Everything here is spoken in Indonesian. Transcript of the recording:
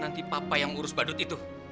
nanti papa yang ngurus badut itu